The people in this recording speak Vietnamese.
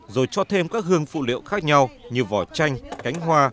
rồi cho thêm các hương phụ liệu khác nhau như vỏ chanh cánh hoa